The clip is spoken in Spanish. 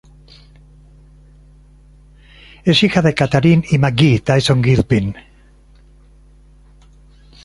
Es hija de Catharine y McGhee Tyson Gilpin.